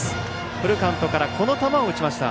フルカウントから打ちました。